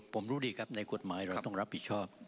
ผมรู้ดีครับในกฎหมายเราต้องรับผิดชอบ